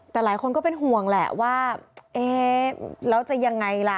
แต่หลายคนก็เป็นห่วงแหละว่าเอ๊ะแล้วจะยังไงล่ะ